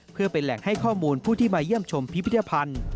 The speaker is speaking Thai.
เพื่อเป็นแหล่งให้ข้อมูลผู้ที่มาเยี่ยมชมพิพิธภัณฑ์